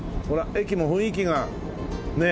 駅も雰囲気がねえ。